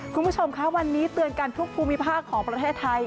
คุณผู้ชมคะวันนี้เตือนกันทุกภูมิภาคของประเทศไทย